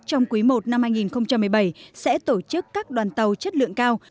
trong quý i năm hai nghìn một mươi bảy sẽ tổ chức các đoàn tàu chất lượng cao